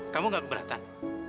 kamu gak keberatan